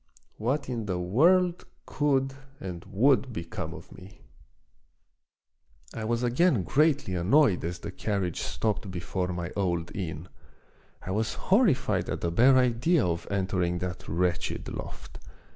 What in the world could and would become of me ! I was again greatly annoyed as the carriage stopped before my old inn. I was horrified at the bare idea of entering that wretched loft.